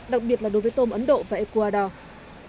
đặc biệt là đối với tôm ấn độ và ecuador